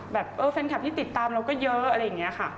แบบเออแฟนคลับที่ติดตามเราก็เยอะอะไรอย่างนี้ค่ะ